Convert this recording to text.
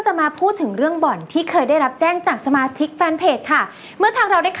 สกูน์ข่าวบอนทิศออนแล้วไง